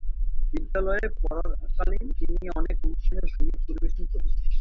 বিদ্যালয়ে পড়াকালীন তিনি অনেক অনুষ্ঠানে সঙ্গীত পরিবেশন করেছেন।